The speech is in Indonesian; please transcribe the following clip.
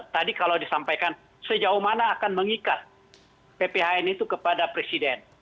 tadi kalau disampaikan sejauh mana akan mengikat pphn itu kepada presiden